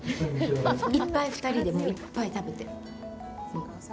いっぱい２人でいっぱい食べて。